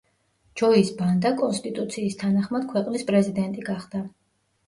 ჯოის ბანდა კონსტიტუციის თანახმად ქვეყნის პრეზიდენტი გახდა.